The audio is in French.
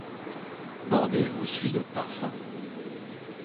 Bordée au sud par St.